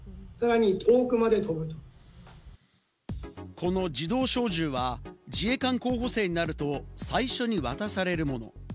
この自動小銃は自衛官候補生になると最初に渡されるもの。